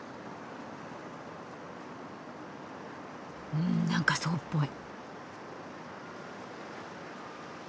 うんなんかそうっぽい。